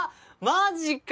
マジか！